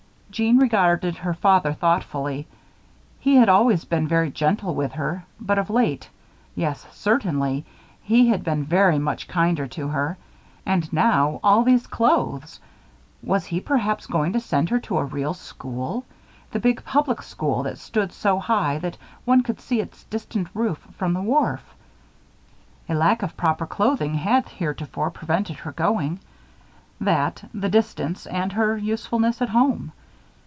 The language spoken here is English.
Jeanne regarded her father thoughtfully. He had always been very gentle with her, but of late yes, certainly he had been very much kinder to her. And now, all these clothes. Was he, perhaps, going to send her to a real school the big public school that stood so high that one could see its distant roof from the wharf? A lack of proper clothing had heretofore prevented her going that, the distance, and her usefulness at home.